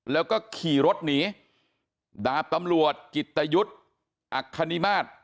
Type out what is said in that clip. แล้วก็ขี่รถหนีดาบตำรวจกิตยุทธ์อัคคณิมาตร